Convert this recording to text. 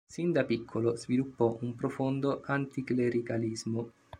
Sin da piccolo, sviluppò un profondo anticlericalismo.